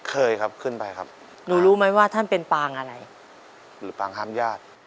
เคยครับขึ้นไปครับหนูรู้ไหมว่าท่านเป็นปางอะไรหรือปางห้ามญาติ